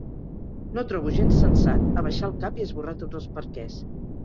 No trobo gens sensat abaixar el cap i esborrar tots els perquès.